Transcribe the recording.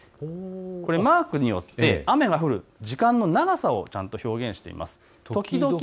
マークによって雨が降る時間の長さが違うことを表現しています。